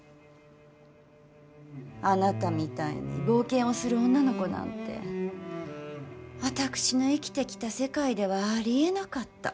あなたみたいに冒険をする女の子なんて私が生きてきた世界ではありえなかった。